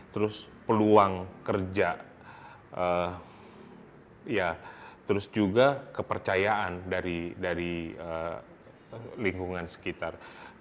terus peluang kerja terus juga kepercayaan dari lingkungan sekitar